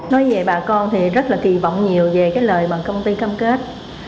nói về bà con thì rất là kỳ vọng nhiều về cái lời mà công ty cam kết